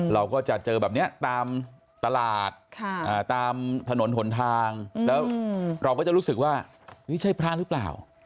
เราก็จะเจอแบบนี้ตามตลาดตามถนนหนทางแล้วเราก็จะรู้สึกว่านี่ใช่พระหรือเปล่า